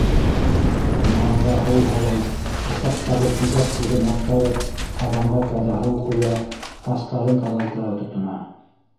Ҡомғанға һыу һала, усаҡтағы тиҙәк ҡуҙын аҡтарып, ҡаҙанға таҙа һыу ҡоя, тастарын таҙартырға тотона.